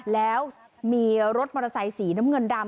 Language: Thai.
แล้วมีรถมอเตอร์ไซค์สีน้ำเงินดำ